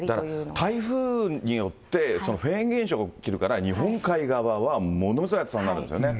だから台風によって、フェーン現象が起きるから、日本海側はものすごい暑さになるんですよね。